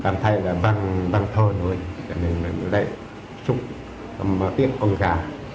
tạm thay là văn thơ nuôi để mình có thể chụp và tiết con gà